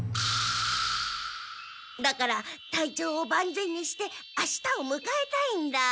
だから体調を万全にしてあしたをむかえたいんだ！